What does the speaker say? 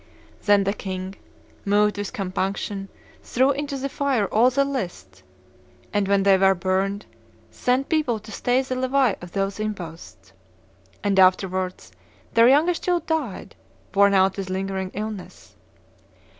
Then the king, moved with compunction, threw into the fire all the lists, and, when they were burned, sent people to stay the levy of those imposts. And afterwards their youngest child died, worn out with lingering illness.